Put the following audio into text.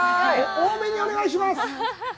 多めにお願いします！